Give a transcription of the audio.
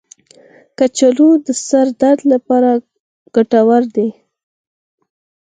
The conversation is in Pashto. کچالو د سر درد لپاره ګټور دی.